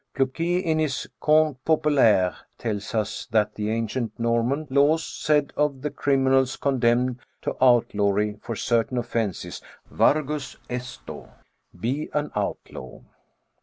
Pluquet in his Contes Populaires tells us that the ancient Norman laws said of the criminals condemned to outlawry for certain offences, Wargus esto : be an outlaw